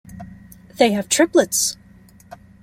They have triplets.